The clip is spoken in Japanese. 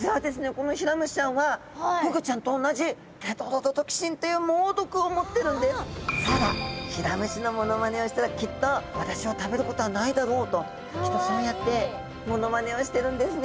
このヒラムシちゃんは「そうだヒラムシのモノマネをしたらきっと私を食べることはないだろう」ときっとそうやってモノマネをしてるんですね。